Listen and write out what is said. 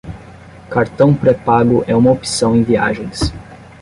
Cartão pré-pago é uma opção em viagens